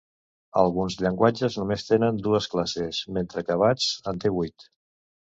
Alguns llenguatges només tenen dues classes, mentre que Bats en té vuit.